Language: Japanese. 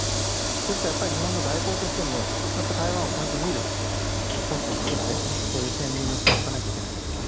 ですから、日本の外交としても台湾をちゃんと見るポストを作ってそういう専任の人を置かなきゃいけないと。